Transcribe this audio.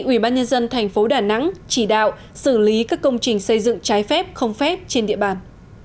ubnd tp đà nẵng chỉ đạo xử lý các công trình xây dựng trái phép không phép trên địa bàn